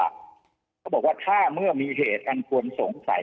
เขาบอกว่าถ้าเมื่อมีเหตุอันควรสงสัย